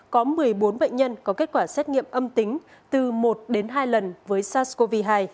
có một mươi bốn bệnh nhân có kết quả xét nghiệm âm tính từ một đến hai lần với sars cov hai